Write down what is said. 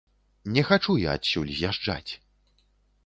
Не хачу я адсюль з'язджаць.